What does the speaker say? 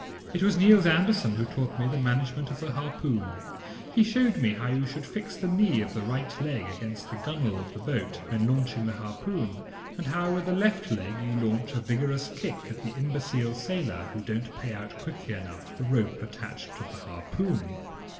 It was Niels Andersen who taught me the management of the harpoon; he showed me how you should fix the knee of the right leg against the gun whale of the boat when launching the harpoon, and how with the left leg you launch a vigorous kick at the imbecile sailor who don't pay out quickly enough the rope attached to the harpoon.